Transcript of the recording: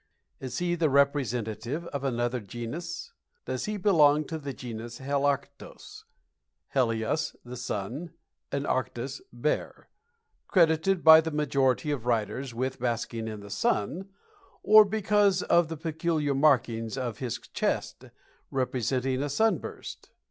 Is he the representative of another genus? Does he belong to the Genus Helarctos (helios, the "sun," and arctos, "bear") credited by the majority of writers with basking in the sun, or because of the peculiar markings of his chest, representing a sunburst?